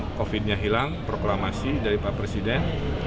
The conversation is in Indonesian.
sebelum covid sembilan belas hilang proklamasi dari pak presiden